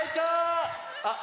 あっ。